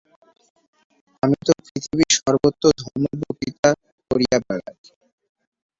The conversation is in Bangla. আমি তো পৃথিবীর সর্বত্র ধর্ম-বক্তৃতা করিয়া বেড়াই।